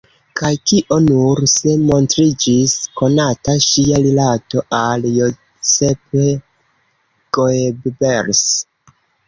Kaj kio nur, se montriĝis konata ŝia rilato al Joseph Goebbels!